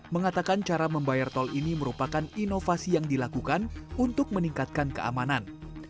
mengatakan cara membayar tol ini merupakan inovasi yang dilakukan untuk meningkatkan keamanan